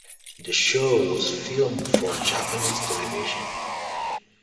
The show was filmed for Japanese television.